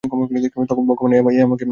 ভগবান আমাকে এ কী বুদ্ধি দিলে!